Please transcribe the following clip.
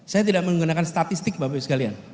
saya tidak menggunakan statistik bapak ibu sekalian